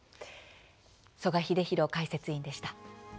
曽我英弘解説委員でした。